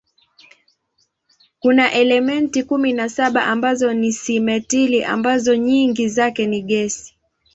Kuna elementi kumi na saba ambazo ni simetili ambazo nyingi zake ni gesi.